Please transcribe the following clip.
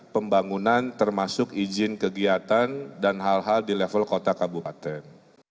pembangunan termasuk izin kegiatan dan hal hal di level kota kabupaten